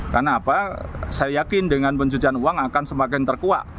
karena apa saya yakin dengan pencucian uang akan semakin terkuat